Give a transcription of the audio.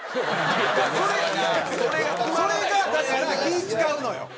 それがだから気ぃ使うのよ。